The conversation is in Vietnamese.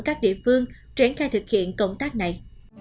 các địa phương triển khai thực hiện công tác này